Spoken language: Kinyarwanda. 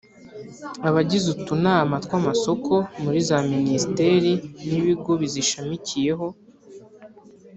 abagize utunama tw’amasoko muri za minisiteri n’ibigo bizishamikiyeho;